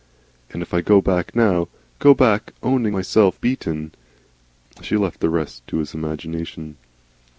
And if I go back now, go back owning myself beaten " She left the rest to his imagination.